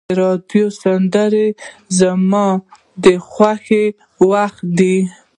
د راډیو د سندرو وخت زما د خوښۍ وخت دی.